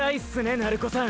鳴子さん！